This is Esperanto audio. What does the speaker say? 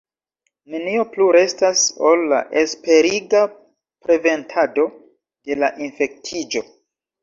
Nenio plu restas, ol la esperiga preventado de la infektiĝo.